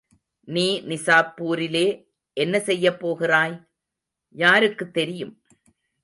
நீ நிசாப்பூரிலே என்ன செய்யப் போகிறாய்? யாருக்குத் தெரியும்?